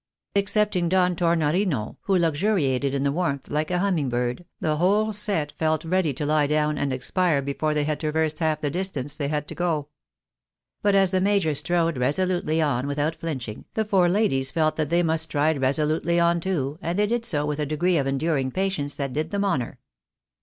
Excepting Don Tornorino, who luxuriated in the warmth like a humming bird, the whole set felt ready to lie down and expire before they had traversed half the distance they had to go. But as the major strode resolutely on without flinching, the four ladies felt that they must stride resolutely on too, and they did so with a degree of enduring patience that did them honour.